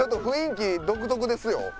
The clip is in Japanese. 雰囲気独特ですよ。